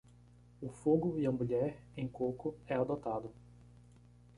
O fogo e a mulher, em coco, é adotado.